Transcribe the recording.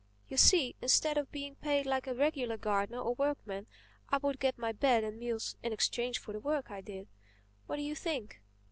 You see, instead of being paid like a regular gardener or workman, I would get my bed and meals in exchange for the work I did. What do you think?"